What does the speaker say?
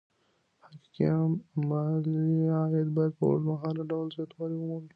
حقيقي ملي عايد بايد په اوږدمهاله ډول زياتوالی ومومي.